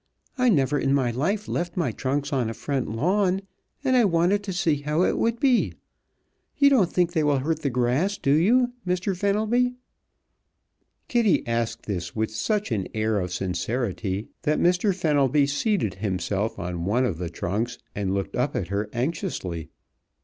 I never in my life left my trunks on a front lawn, and I wanted to see how it would be. You don't think they will hurt the grass do you, Mr. Fenelby?" Kitty asked this with such an air of sincerity that Mr. Fenelby seated himself on one of the trunks and looked up at her anxiously.